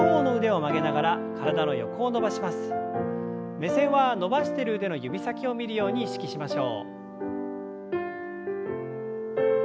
目線は伸ばしている腕の指先を見るように意識しましょう。